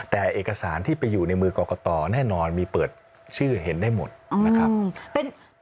แต่เอกสารที่ไปอยู่ในมือกรกตแน่นอนมีเปิดชื่อเห็นได้หมดนะครับ